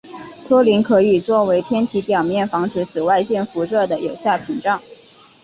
托林可以作为天体表面防止紫外线辐射的有效屏障。